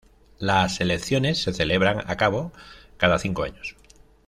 Las elecciones se celebran a cabo cada cinco años.